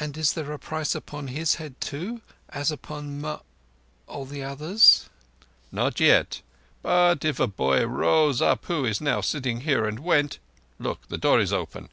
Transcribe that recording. "And is there a price upon his head too—as upon Mah—all the others?" "Not yet; but if a boy rose up who is now sitting here and went—look, the door is open!